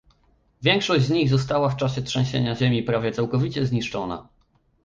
Większość z nich została w czasie trzęsienia ziemi prawie całkowicie zniszczona